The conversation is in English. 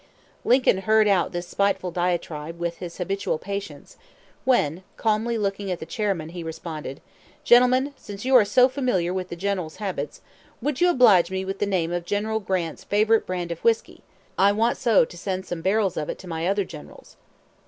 Lincoln heard out this spiteful diatribe with his habitual patience, when, calmly looking at the chairman, he responded: "Gentlemen, since you are so familiar with the general's habits, would you oblige me with the name of General Grant's favorite brand of whisky. I want so to send some barrels of it to my other generals!"